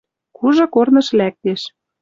Кужы корныш лӓктеш.